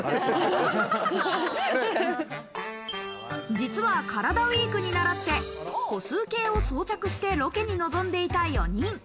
実はカラダＷＥＥＫにならって、歩数計を装着してロケに臨んでいた４人。